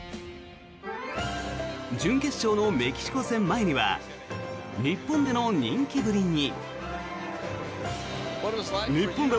準決勝のメキシコ戦前には日本での人気ぶりに。